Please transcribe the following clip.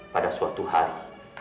pada suatu hari